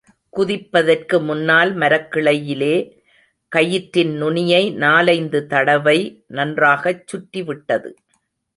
குதிப்பதற்கு முன்னால் மரக்கிளையிலே கயிற்றின் நுனியை நாலைந்து தடவை நன்றாகச் சுற்றிவிட்டது.